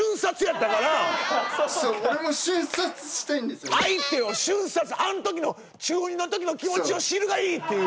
あなた相手を瞬殺あん時の中２の時の気持ちを知るがいいっていう。